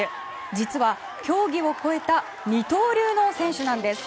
実は、競技を超えた二刀流の選手なんです。